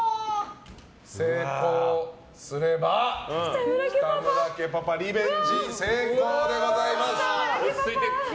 成功すれば、北村家パパリベンジ成功でございます！